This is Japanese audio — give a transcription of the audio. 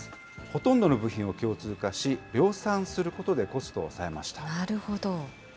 ほとんどの部品を共通化し、量産することで、コストを抑えました。